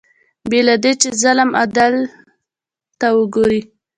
بې له دې چې ظلم عدل ته وګوري